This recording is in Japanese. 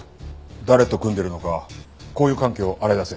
誰と組んでいるのか交友関係を洗い出せ。